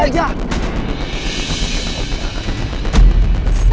lo udah lupa saja